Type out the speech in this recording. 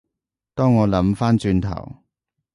當我諗返轉頭